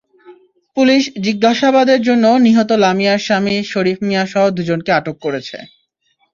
Police জিজ্ঞাসাবাদের জন্য নিহত লামিয়ার স্বামী শরীফ মিয়াসহ দুজনকে আটক করেছে।